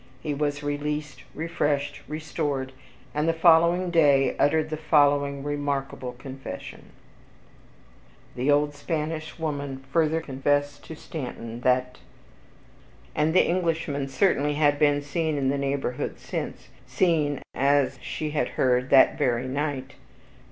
He was released, refreshed, restored, and the following day uttered the following remarkable confession. ........ The old Spanish woman further confessed to Stanton, that. ........ and that the Englishman certainly had been seen in the neighborhood since; seen, as she had heard, that very night.